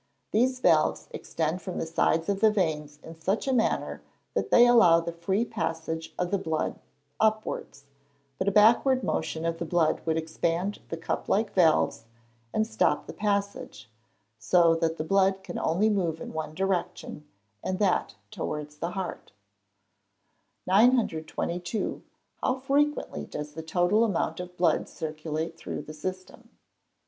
These valves extend from the sides of the veins in such a manner that they allow the free passage of the blood upwards, but a backward motion of the blood would expand the cup like valves and stop the passage; so that the blood can only move in one direction, and that towards the heart. 922. _How frequently does the total amount of blood circulate through the system?